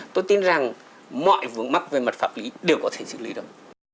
tôi tin rằng mọi vướng mắc về mặt pháp lý đều có thể xử lý được